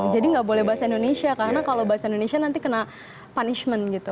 jadi gak boleh bahasa indonesia karena kalau bahasa indonesia nanti kena punishment gitu